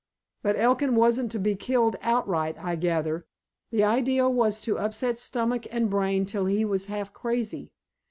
But Elkin wasn't to be killed outright, I gather. The idea was to upset stomach and brain till he was half crazy.